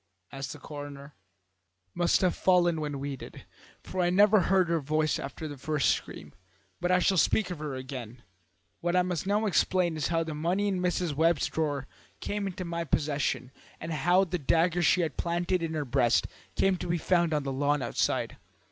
asked the coroner. "Must have fallen when we did, for I never heard her voice after the first scream. But I shall speak of her again. What I must now explain is how the money in Mrs. Webb's drawer came into my possession, and how the dagger she had planted in her breast came to be found on the lawn outside.